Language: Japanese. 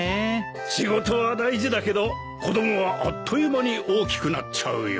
仕事は大事だけど子供はあっという間に大きくなっちゃうよ。